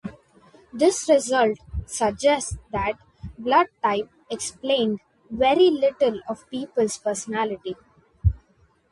This result suggests that blood type explained very little of people's personalities.